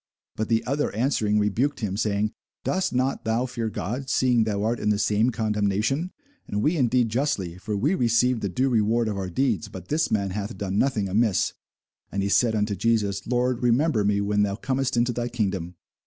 But the other answering rebuked him, saying, Dost not thou fear God, seeing thou art in the same condemnation? And we indeed justly; for we receive the due reward of our deeds: but this man hath done nothing amiss. And he said unto Jesus, Lord, remember me when thou comest into thy kingdom.